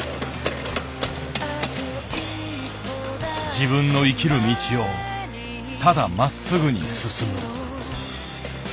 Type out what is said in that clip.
自分の生きる道をただまっすぐに進む。